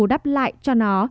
huyên đáp lại cho nó